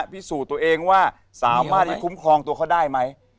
พิสูจน์ตัวเองว่าสามารถที่คุ้มครองตัวเขาได้ไหม